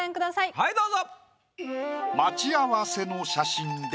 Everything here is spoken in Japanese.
はいどうぞ。